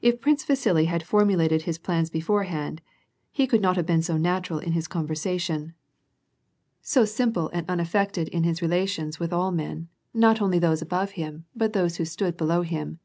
If Prince Vasili had formulated his plans beforehand, he could not have been so natural in his conversation, so simple 240 WAk AKD PEACE. 241 and unaffected in his relations with all men, not only those aboTe him, but those who stood below him.